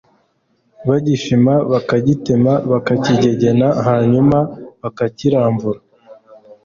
bagishima bakagitema, bakakigegena, hanyuma bakakiramvura.